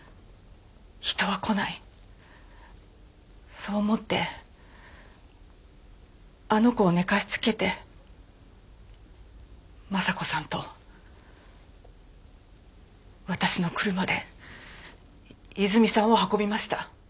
そう思ってあの子を寝かしつけて昌子さんと私の車でいずみさんを運びました。